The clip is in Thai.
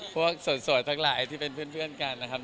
สวยทั้งหลายที่เป็นเพื่อนกันนะครับ